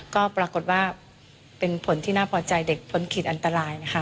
ก็ปรากฏว่าเป็นผลที่น่าพอใจเด็กพ้นขีดอันตรายนะคะ